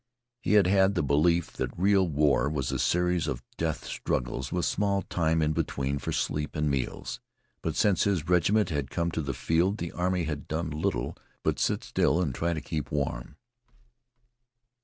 He had had the belief that real war was a series of death struggles with small time in between for sleep and meals; but since his regiment had come to the field the army had done little but sit still and try to keep warm.